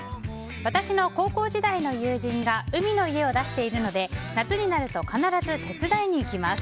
私の高校時代の友人が海の家を出しているので夏になると必ず手伝いに行きます。